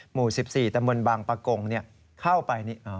หมู่๑๔ตำบลบางปะกงเข้าไป